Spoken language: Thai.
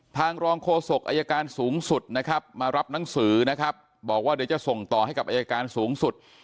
ทางรองโฆษกอายการสูงสุดนะครับมารับหนังสือนะครับบอกว่าเดี๋ยวจะส่งต่อให้กับอายการสูงสุด